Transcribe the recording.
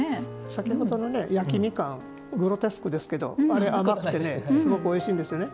先ほどの、焼きみかんグロテスクですけど、あれ甘くてすごくおいしいんですよね。